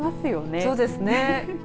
そうですね。